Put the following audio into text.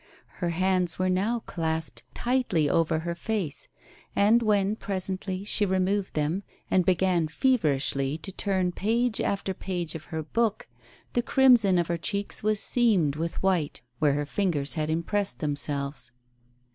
Her hands were now clasped tightly over her face, and when, presently, she removed them and began feverishly to turn page after page of her book, the crimson of her cheeks was seamed with white where her fingers had impressed themselves.